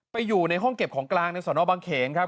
อยู่ในห้องเก็บของกลางในสนบางเขนครับ